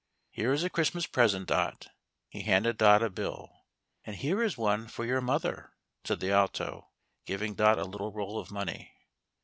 " Here is a Christmas present, Dot." He handed Dot a bill. " And here is one for your mother," said the Alto, giving Dot a little roll of money.